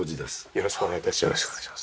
よろしくお願いします。